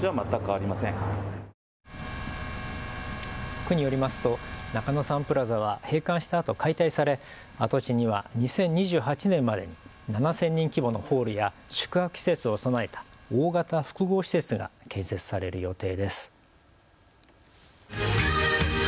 区によりますと中野サンプラザは閉館したあと解体され跡地には２０２８年までに７０００人規模のホールや宿泊施設を備えた大型複合施設が建設される予定です。